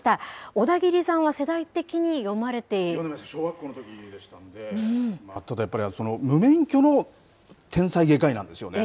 小田切さんは世代的に読まれて？小学校のときでしたので、無免許の天才外科医なんですよね。